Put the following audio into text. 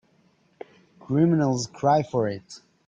Criminals cry for it.